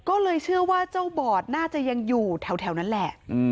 ก็เลยเชื่อว่าเจ้าบอดน่าจะยังอยู่แถวนั้นแหละ